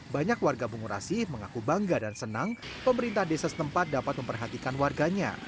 banyak warga bungurasi mengaku bangga dan senang pemerintah desa setempat dapat memperhatikan warganya